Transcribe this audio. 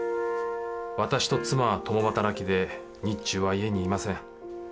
私と妻は共働きで日中は家にいません。